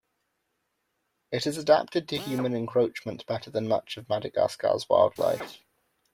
It has adapted to human encroachment better than much of Madagascar's wildlife.